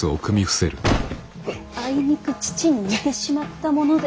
あいにく父に似てしまったもので。